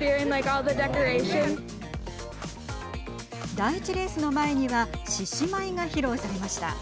第１レースの前には獅子舞が披露されました。